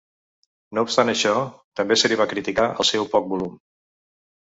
No obstant això, també se li va criticar el seu poc volum.